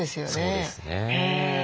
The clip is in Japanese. そうですね。